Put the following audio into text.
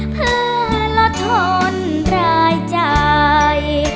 เพื่อลดทนรายจ่าย